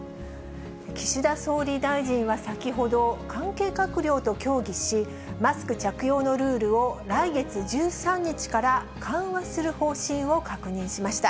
岸田総理大臣は先ほど、関係閣僚と協議し、マスク着用のルールを、来月１３日から緩和する方針を確認しました。